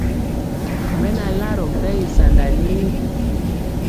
Mɛ na larɔ mpɛgi sanda nii.